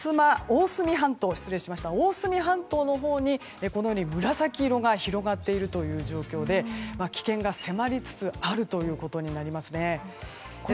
大隅半島のほうに紫色が広がっているという状況で危険が迫りつつあるということになりますね。